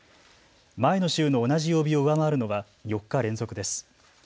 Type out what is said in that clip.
前の週の同じ曜日を上回るのは４日連続です。